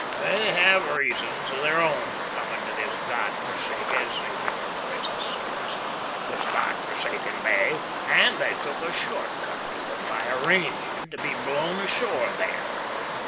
They had reasons o' their own for coming to this God forsaken saving your presence, sirs this God forsaken bay, and they took a short cut to it by arranging to be blown ashore there.